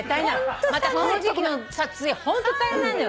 またこの時季の撮影ホント大変なのよ。